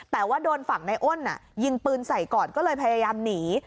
แต่ว่าโดนฝั่งในอ้นยิงปืนใส่ก่อนก็เลยพยายามหนี